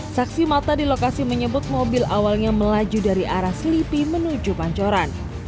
saksi mata di lokasi menyebut mobil awalnya melaju dari arah selipi menuju pancoran